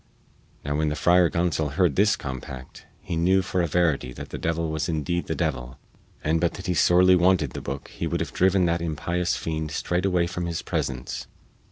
Now when the Friar Gonsol heard this compact, he knew for a verity that the devil was indeed the devil, and but that he sorely wanted the booke he would have driven that impious fiend straightway from his presence.